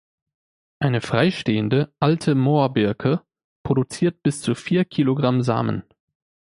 Eine freistehende, alte Moor-Birke produziert bis zu vier Kilogramm Samen.